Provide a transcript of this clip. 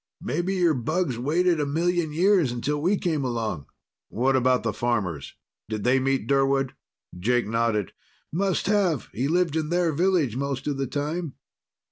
Maybe your bugs waited a million years till we came along." "What about the farmers? Did they meet Durwood?" Jake nodded. "Must have. He lived in their village most of the time."